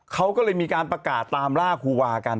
เขาก็เลยมีการประกาศตามล่าครูวากัน